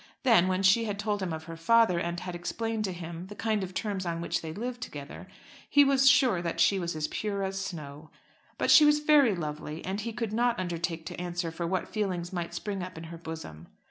Then, when she had told him of her father, and had explained to him the kind of terms on which they lived together, he was sure that she was pure as snow. But she was very lovely, and he could not undertake to answer for what feelings might spring up in her bosom.